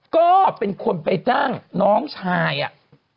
ก็เป็นคนไปจ้างน้องชายอ่ะ